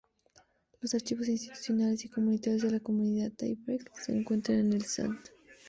Los archivos institucionales y comunitarios de la comunidad Daybreak se encuentran en el St.